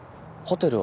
ホテル？